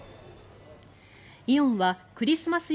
イオンはクリスマス